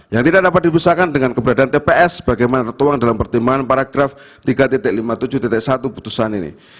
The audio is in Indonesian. yang tidak dapat dibesarkan dengan keberadaan tps bagaimana tertuang dalam pertimbangan paragraf tiga lima puluh tujuh satu putusan ini